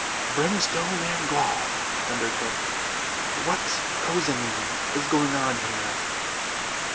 "Brimstone and gall," thundered Hook, "what cozening is going on here!"